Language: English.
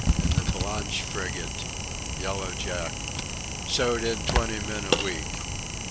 In the Blanche frigate... Yellow Jack... sewed in twenty men a week...